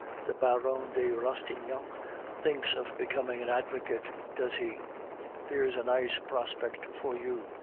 The Baron de Rastignac thinks of becoming an advocate, does he? There's a nice prospect for you!